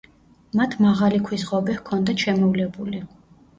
მათ მაღალი ქვის ღობე ჰქონდათ შემოვლებული.